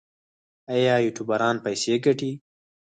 آیا یوټیوبران پیسې ګټي؟